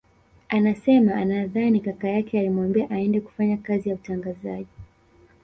Anasema anadhani kaka yake alimwambia aende kufanya kazi ya utangazaji